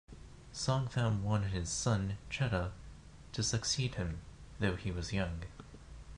Songtham wanted his son, Chettha, to succeed him, though he was young.